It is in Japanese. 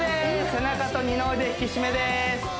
背中と二の腕引き締めです